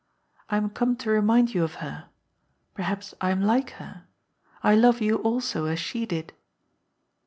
I am come to remind you of her. Perhaps I am like her. I love you also as she did."